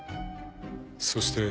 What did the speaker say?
そして。